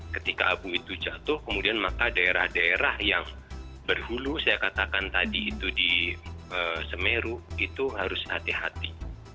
ketika abu itu jatuh kemudian maka daerah daerah yang berhulu saya katakan tadi itu di semeru itu harus hati hati